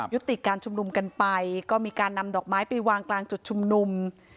ยุติการชุมนุมกันไปก็มีการนำดอกไม้ไปวางกลางจุดชุมนุม